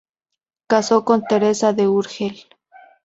Casó con Teresa de Urgel.